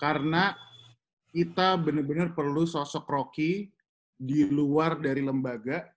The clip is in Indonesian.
karena kita bener bener perlu sosok rocky di luar dari lembaga